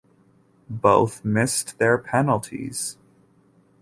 Both missed their penalties.